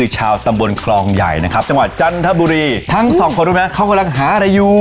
ชาวตำบลครองใหญ่นะครับจังหวะจันทะบุรีทั้ง๒คนเขากำลังหาร้ายอยู่